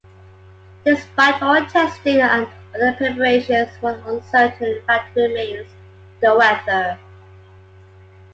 Despite all testing and other preparations, one uncertain factor remains; the weather.